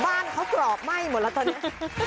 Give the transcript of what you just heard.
บ้านเขากรอบไหม้หมดแล้วตอนนี้